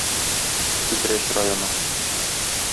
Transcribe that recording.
Питрәч районы.